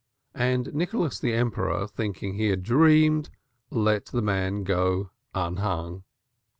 And Nicholas the Emperor, thinking he had dreamed, let the man go unhung.